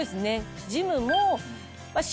ジムも。